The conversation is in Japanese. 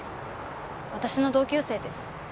私の同級生です。